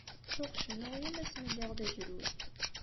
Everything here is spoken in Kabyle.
Tuɣ cennuɣ yal ass mi lliɣ d agrud.